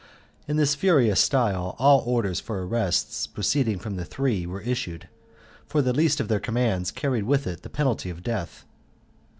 In this furious style all orders for arrests proceeding from the Three were issued, for the least of their commands carried with it the penalty of death.